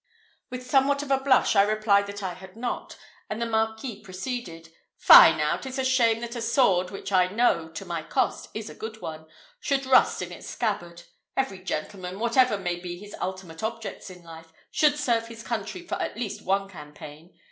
With somewhat of a blush, I replied that I had not, and the Marquis proceeded: "Fie, now! 'tis a shame that a sword, which I know, to my cost, is a good one, should rust in its scabbard. Every gentleman, whatever may be his ultimate objects in life, should serve his country for at least one campaign.